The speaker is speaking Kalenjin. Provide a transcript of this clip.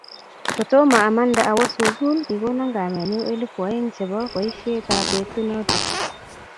Kotomo amande awo sukul, kikono kamenyu elpu aeng' chebo boishet ab betut noto